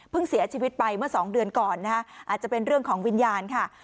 เสียชีวิตไปเมื่อสองเดือนก่อนนะคะอาจจะเป็นเรื่องของวิญญาณค่ะ